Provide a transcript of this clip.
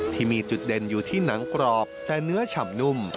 ที่มีจุดเด่นอยู่ที่หนังกรอบแต่เนื้อฉ่ำนุ่ม